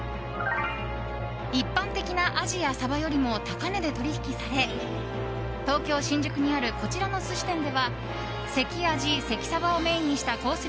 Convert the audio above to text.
一般的なアジやサバよりも高値で取引され東京・新宿にあるこちらの寿司店では関あじ、関さばをメインにしたコース